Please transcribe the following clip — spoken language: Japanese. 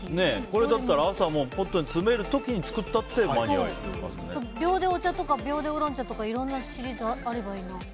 これだったら朝にポットに詰めるときに作っても秒でお茶とか秒でウーロン茶とかいろんなシリーズあるといいな。